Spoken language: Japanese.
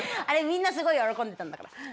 あれみんなすごい喜んでたんだから。